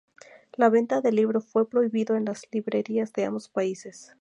La venta del libro fue prohibido en las librerías de ambos países.